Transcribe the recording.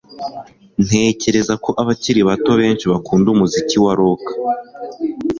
Ntekereza ko abakiri bato benshi bakunda umuziki wa rock